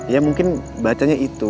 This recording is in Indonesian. ya mungkin bacanya itu